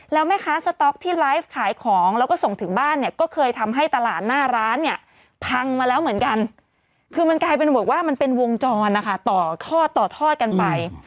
แล้วแม่ค้าสต๊อกที่ไลฟ์ขายของแล้วก็ส่งถึงบ้านเนี่ยก็เคยทำให้ตลาดหน้าร้านเนี่ยพังมาแล้วเหมือนกันคือมันกลายเป็นบอกว่ามันเป็นวงจรนะคะต่อทอดต่อทอดกันไป